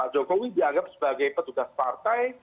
jokowi dianggap sebagai petugas partai